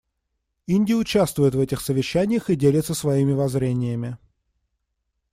Индия участвует в этих совещаниях и делится своими воззрениями.